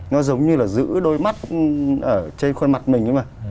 nó giống như là giữ đôi mắt ở trên khuôn mặt mình ấy mà